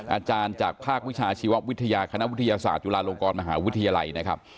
อาจารย์จากภาควิชาชีววิทยาคณะวิทยาศาสตร์จุฬาลงกรมหาวิทยาลัยนะครับ